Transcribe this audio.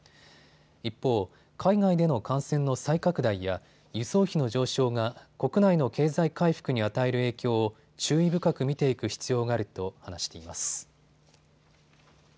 一方、海外での感染の再拡大や輸送費の上昇が国内の経済回復に与える影響を注意深く見ていく必要があると話しています。